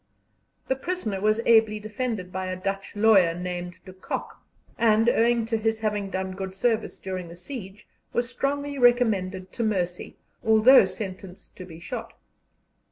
The prisoner was ably defended by a Dutch lawyer named De Koch, and, owing to his having done good service during the siege, was strongly recommended to mercy, although sentenced to be shot.